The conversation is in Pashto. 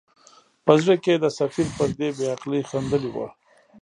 په زړه کې یې د سفیر پر دې بې عقلۍ خندلي وه.